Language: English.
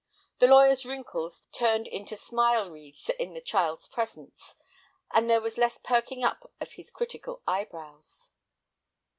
The lawyer's wrinkles turned into smile wreaths in the child's presence, and there was less perking up of his critical eyebrows.